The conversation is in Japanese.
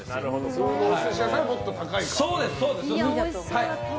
普通のお寿司屋さんはもっと高いからね。